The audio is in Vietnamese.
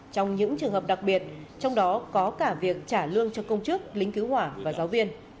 trong những trường hợp đặc biệt trong đó có cả việc trả lương cho công chức lính cứu hỏa và giáo viên